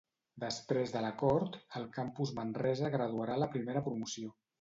Després de l'acord, el campus Manresa graduarà la primera promoció.